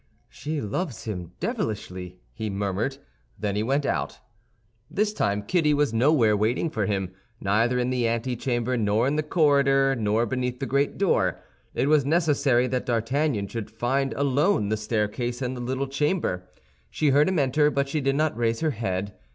"She loves him devilishly," he murmured. Then he went out. This time Kitty was nowhere waiting for him; neither in the antechamber, nor in the corridor, nor beneath the great door. It was necessary that D'Artagnan should find alone the staircase and the little chamber. She heard him enter, but she did not raise her head.